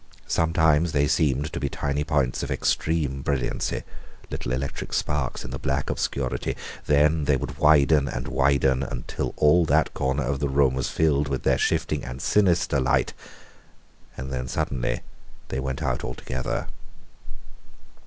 Sometimes they seemed to be tiny points of extreme brilliancy little electric sparks in the black obscurity then they would widen and widen until all that corner of the room was filled with their shifting and sinister light. And then suddenly they went out altogether.